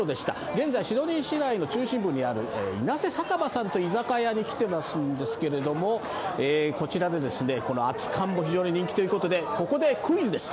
現在シドニー市内の中心部にあるイナセ酒場さんという居酒屋さんに来ているんですけど、こちらで熱かんも非常に人気ということでここでクイズです。